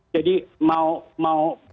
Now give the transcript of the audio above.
jadi mau mau